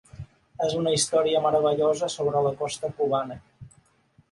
És una història meravellosa sobre la costa cubana.